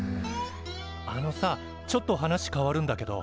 あのさちょっと話変わるんだけど。